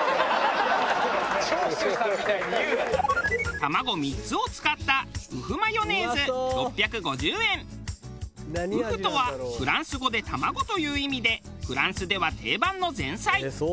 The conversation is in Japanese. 卵３つを使ったウフとはフランス語で「卵」という意味でフランスでは定番の前菜。